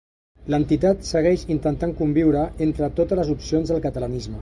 L'entitat segueix intentant conviure entre totes les opcions del catalanisme.